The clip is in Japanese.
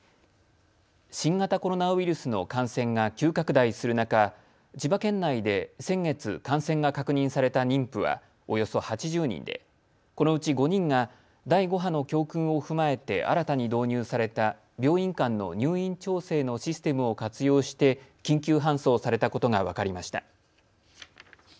新型コロナウイルスの感染が急拡大する中、千葉県内で先月、感染が確認された妊婦はおよそ８０人でこのうち５人が第５波の教訓を踏まえて新たに導入された病院間の入院調整のシステムを活用して緊急搬送されたことが分かりました。